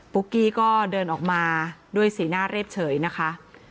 ุ๊กกี้ก็เดินออกมาด้วยสีหน้าเรียบเฉยนะคะ